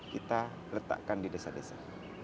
kita letakkan di desa desa